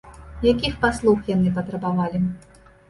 Якіх паслуг яны патрабавалі?